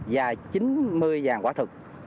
và chín mươi giàn quả thực